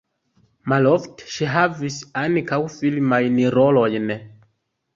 Malofte ŝi havis ankaŭ filmajn rolojn.